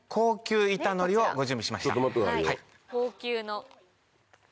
高級の。